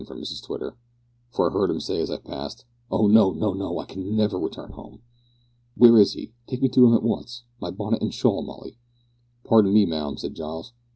from Mrs Twitter), "for I heard him say as I passed `Oh! no, no, no, I can never return home!'" "Where is he? Take me to him at once. My bonnet and shawl, Molly!" "Pardon me, ma'am," said Giles.